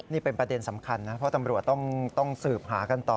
นี่เป็นประเด็นสำคัญนะเพราะตำรวจต้องสืบหากันต่อ